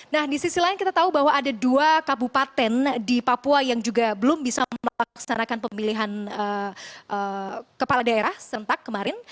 nah di sisi lain kita tahu bahwa ada dua kabupaten di papua yang juga belum bisa melaksanakan pemilihan kepala daerah sentak kemarin